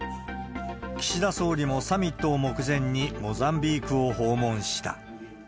岸田総理もサミットを目前に、モザンビークを訪問した。